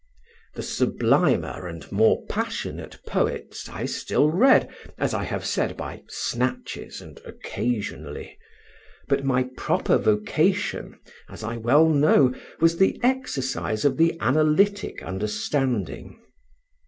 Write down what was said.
The sublimer and more passionate poets I still read, as I have said, by snatches, and occasionally. But my proper vocation, as I well know, was the exercise of the analytic understanding.